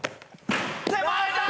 手前だー！